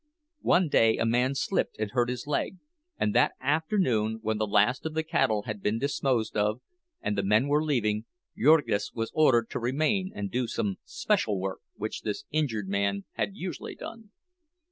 One day a man slipped and hurt his leg; and that afternoon, when the last of the cattle had been disposed of, and the men were leaving, Jurgis was ordered to remain and do some special work which this injured man had usually done.